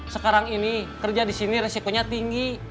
sekarang ini kerja di sini resikonya tinggi